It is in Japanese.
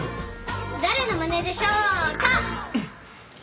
誰のまねでしょうか？